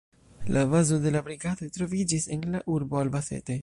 La bazo de la Brigadoj troviĝis en la urbo Albacete.